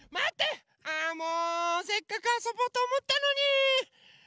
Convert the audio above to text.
あもうせっかくあそぼうとおもったのに。